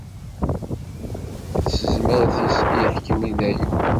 S tezmert-is, iḥkem i dayem.